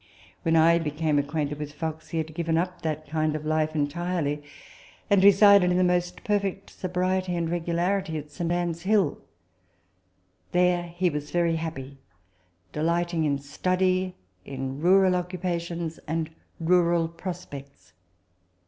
When I became acquainted with Fox, he had TABLE TALK OF SAMUEL ROGERS 43 given up that kind of life entirely, and resided in the most perfect sobriety and regularity at St. Anne's Hill. There he was very happy, delighting in study, in rural occupations and rural prospects.